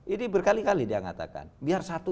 ini berkali kali dia mengatakan biar satu